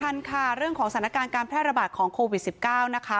ทันค่ะเรื่องของสถานการณ์การแพร่ระบาดของโควิด๑๙นะคะ